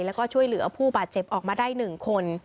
แล้วก็ช่วยเหลือผู้บาดเจ็บออกมาได้๑คน